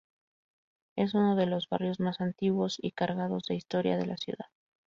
Es uno de los barrios más antiguos y cargados de historia de la ciudad.